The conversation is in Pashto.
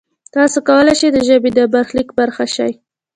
تاسو کولای شئ د ژبې د برخلیک برخه شئ.